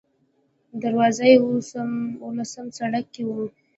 دروازه یې اوولسم سړک کې وه.